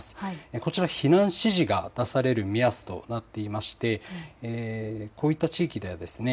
こちら避難指示が出される目安となっていましてこういった地域ではですね